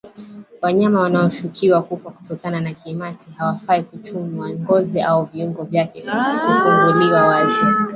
Wanyama wanaoshukiwa kufa kutokana na kimeta hawafai kuchunwa ngozi au viungo vyake kufunguliwa wazi